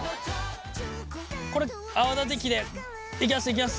これ泡立て器でいきますいきます。